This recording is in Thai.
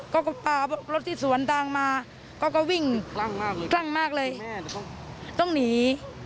เขาก็ปารถที่สวนต่างมาเขาก็วิ่งคลั่งมากต้องหนี